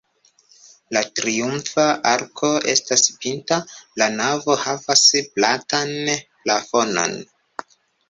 La triumfa arko estas pinta, la navo havas platan plafonon.